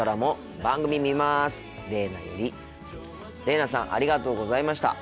れいなさんありがとうございました。